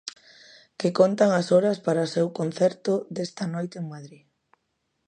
Que contan as horas para o seu concerto desta noite en Madrid.